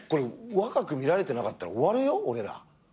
若く見られてなかったら終わるよ俺ら。